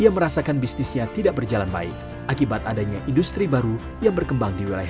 ia merasa bahwa industri yang baru ini tidak berjalan baik akibat adanya industri baru yang berkembang di wilayah tersebut